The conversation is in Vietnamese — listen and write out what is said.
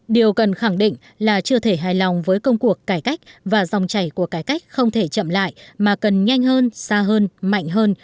điều cần khẳng định là chưa thể hài lòng với công cuộc cải cách và dòng chảy của cải cách không thể chậm lại mà cần nhanh hơn xa hơn mạnh hơn